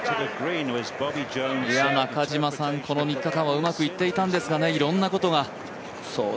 中嶋さん、この３日間はうまくいっていたんですが、いろんなことが。